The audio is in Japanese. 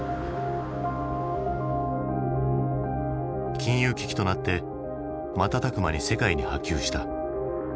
金融危機となって瞬く間に世界に波及した。